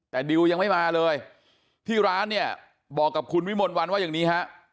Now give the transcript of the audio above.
แต่ดิวยังไม่มาเลยที่ร้านเนี่ยบอกกับคุณวิมลวันว่าอย่างนี้ฮะ